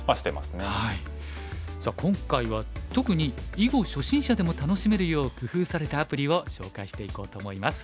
さあ今回は特に囲碁初心者でも楽しめるよう工夫されたアプリを紹介していこうと思います。